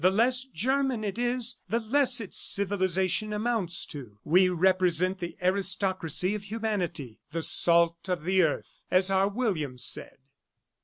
The less German it is, the less its civilization amounts to. We represent 'the aristocracy of humanity,' 'the salt of the earth,' as our William said."